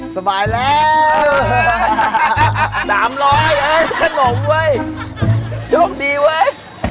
สบายแล้วสามร้อยเฮ้ยขนมเว้ยโชคดีเว้ย